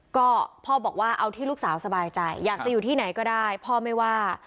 ก็พ่อบอกว่าเอาที่ลูกสาวสบายใจอยากจะอยู่ที่ไหนก็ได้พ่อไม่ว่า